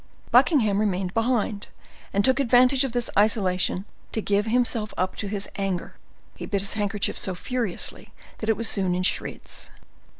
Buckingham remained behind, and took advantage of this isolation to give himself up to his anger; he bit his handkerchief so furiously that it was soon in shreds.